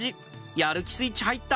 やる気スイッチ入った！